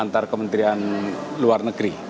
antar kementerian luar negeri